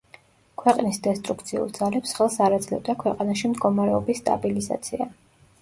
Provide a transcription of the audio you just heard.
ქვეყნის დესტრუქციულ ძალებს ხელს არ აძლევდა ქვეყანაში მდგომარეობის სტაბილიზაცია.